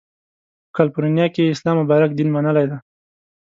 په کالیفورنیا کې یې اسلام مبارک دین منلی دی.